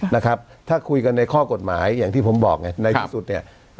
นะครับถ้าคุยกันในข้อกฎหมายอย่างที่ผมบอกไงในที่สุดเนี่ย